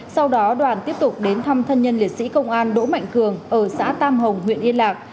sau đó đoàn tiếp tục đến thăm thân nhân liệt sĩ công an đỗ mạnh cường ở xã tam hồng huyện yên lạc